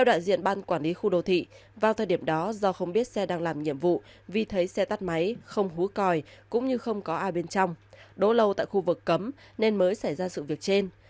theo đại diện ban quản lý khu đô thị vào thời điểm đó do không biết xe đang làm nhiệm vụ vì thấy xe tắt máy không hú còi cũng như không có ai bên trong đỗ lâu tại khu vực cấm nên mới xảy ra sự việc trên